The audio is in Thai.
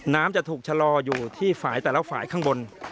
จะถูกชะลออยู่ที่ฝ่ายแต่ละฝ่ายข้างบน